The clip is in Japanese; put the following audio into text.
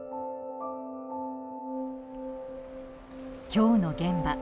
今日の現場。